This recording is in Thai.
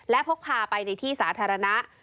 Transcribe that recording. และพกพาไปในที่สาธารณะ